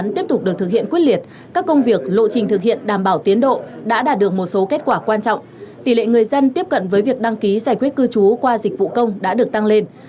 tỷ lệ người dân tiếp cận với việc đăng ký giải quyết cư trú qua dịch vụ công đã được tăng lên